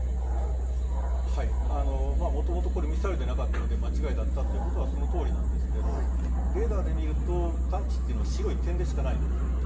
はい、もともとミサイルでなかったので間違いだったというのは、その通りなんですけど、レーダーで見ると、探知というのは白い点でしかない。